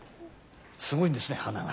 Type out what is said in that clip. すごいんですね鼻が。